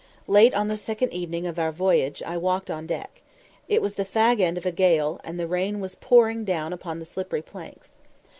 Late on the second evening of our voyage, I walked on deck. It was the "fag end" of a gale, and the rain was pouring down upon the slippery planks.